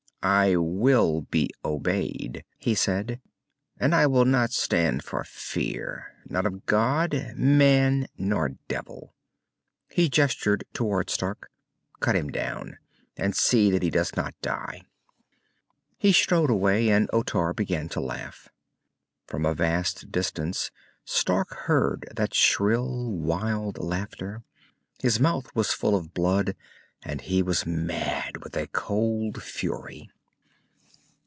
"I will be obeyed," he said. "And I will not stand for fear, not of god, man, nor devil." He gestured toward Stark. "Cut him down. And see that he does not die." He strode away, and Otar began to laugh. From a vast distance, Stark heard that shrill, wild laughter. His mouth was full of blood, and he was mad with a cold fury.